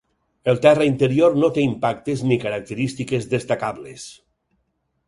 El terra interior no té impactes ni característiques destacables.